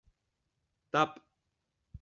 Tap!